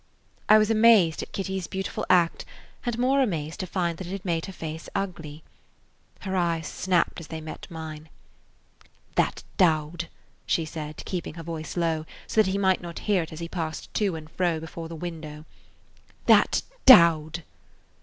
I was amazed at Kitty's beautiful act and more amazed to find that it had made her face ugly. Her eyes snapped as they met mine. "That dowd!" she said, keeping her voice low, so that he might not hear it as he passed to and fro before the window. "That dowd!"